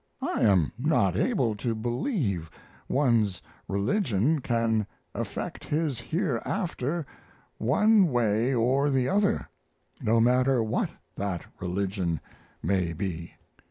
I am not able to believe one's religion can affect his hereafter one way or the other, no matter what that religion maybe.